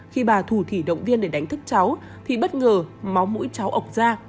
khi bà thù thỉ động viên để đánh thức cháu thì bất ngờ máu mũi cháu ộc ra